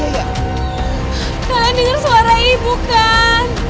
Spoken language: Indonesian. kalian dengar suara ibu kan